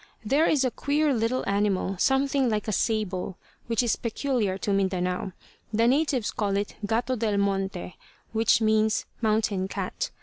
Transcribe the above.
There is a queer little animal, something like a sable, which is peculiar to Mindanao. The natives call it "gato del monte," which means "mountain cat."